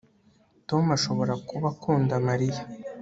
Tom ashobora kuba akunda Mariya